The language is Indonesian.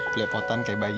kelepotan kayak bayi